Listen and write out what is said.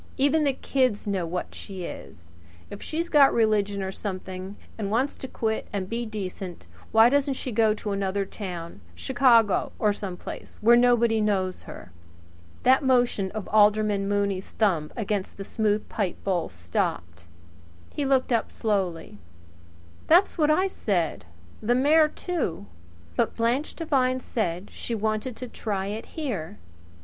Even the kids know what she is. If she's got religion or something, and wants to quit and be decent, why doesn't she go to another town Chicago or some place where nobody knows her?" That motion of Alderman Mooney's thumb against the smooth pipebowl stopped. He looked up slowly. "That's what I said the mayor too. But Blanche Devine said she wanted to try it here.